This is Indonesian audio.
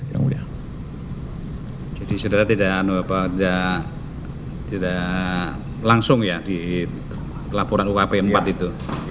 jadi saudara tidak langsung ya di laporan ukp empat itu